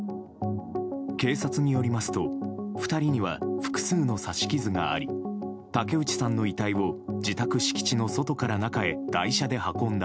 警察によりますと２人には複数の刺し傷があり竹内さんの遺体を自宅敷地の外から中へ台車で運んだ